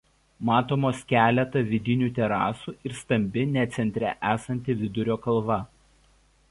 Matomos keletą vidinių terasų ir stambi ne centre esanti vidurio kalva.